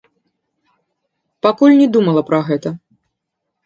Пакуль не думала пра гэта.